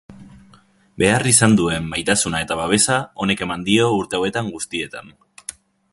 Behar izan duen maitasuna eta babesa honek eman dio urte hauetan guztietan.